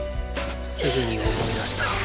すぐに思い出した。